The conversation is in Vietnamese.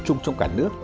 chung trong cả nước